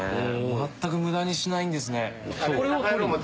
全く無駄にしないんですね。